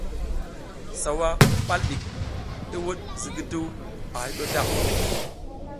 Sawa pal ɗik, i wuɗ zigiduw a hay ɗu o ta.